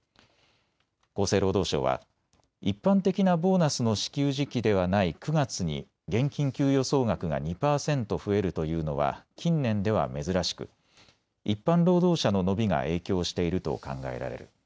厚生労働省は一般的なボーナスの支給時期ではない９月に現金給与総額が２％増えるというのは近年では珍しく一般労働者の伸びが影響していると考えられる。